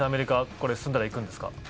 これ、進んだら行くんですか？